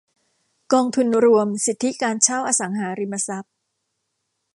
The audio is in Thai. กองทุนรวมสิทธิการเช่าอสังหาริมทรัพย์